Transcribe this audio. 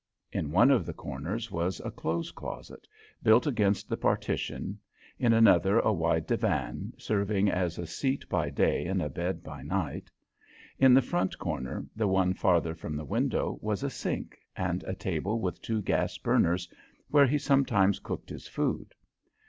In one of the corners was a clothes closet, built against the partition, in another a wide divan, serving as a seat by day and a bed by night. In the front corner, the one farther from the window, was a sink, and a table with two gas burners where he sometimes cooked his food.